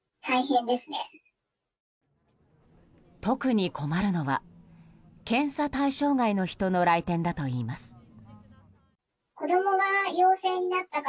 特に困るのは検査対象外の人の来店だといいます。